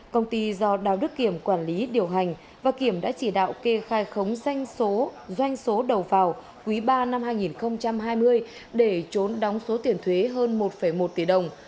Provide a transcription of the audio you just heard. công ty do đào đức kiểm quản lý điều hành và kiểm đã chỉ đạo kê khai khống doanh số đầu vào quý ba năm hai nghìn hai mươi để trốn đóng số tiền thuế hơn một một tỷ đồng